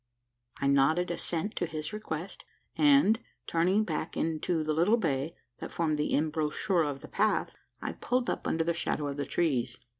I nodded assent to his request; and, turning back into the little bay, that formed the embouchure of the path, I pulled up under the shadow of the trees.